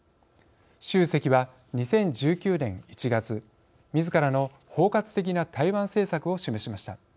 習主席は２０１９年１月みずからの包括的な台湾政策を示しました。